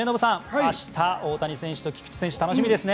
明日、大谷選手と菊池選手、楽しみですね。